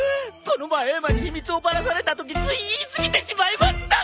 この前エマに秘密をバラされたときつい言い過ぎてしまいました。